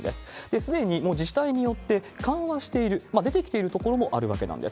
すでにもう自治体によって緩和している、出てきている所もあるわけなんです。